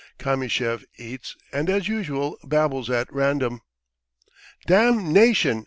Kamyshev eats and as usual babbles at random. "Damnation!"